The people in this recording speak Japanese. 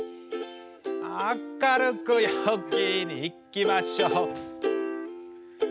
「明るく陽気にいきましょう」